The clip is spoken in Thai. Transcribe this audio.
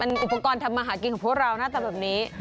มันอุปกรณ์ทำอาหารกินของพวกเราน่ะแต่แบบนี้